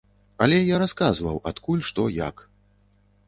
Але я расказваў, адкуль, што, як.